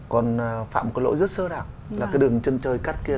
còn phạm có lỗi rất sơ đạo